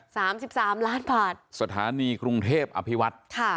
สามสิบสามล้านบาทสถานีกรุงเทพอภิวัฒน์ค่ะ